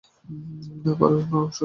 না পারো না, অবশ্যই।